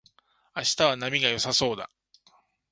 明日は波が良さそうだ